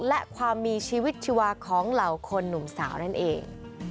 และความมีชีวิตชีวาของเหล่าคนหนุ่มสาวนั่นเอง